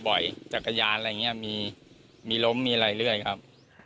บ่อยจากกระยานอะไรอย่างเงี้ยมีมีล้มมีอะไรเรื่อยครับ